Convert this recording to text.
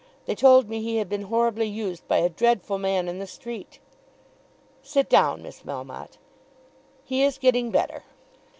They told me he had been horribly used by a dreadful man in the street." "Sit down, Miss Melmotte. He is getting better."